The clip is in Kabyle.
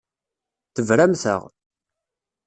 Tebramt-aɣ.